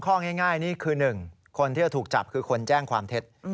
ข้อง่ายนี่คือ๑คนที่จะถูกจับคือคนแจ้งความเท็จ